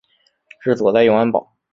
治所在永安堡。